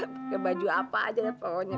pakai baju apa aja ya